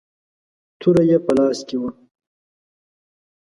توره يې په لاس کې وه.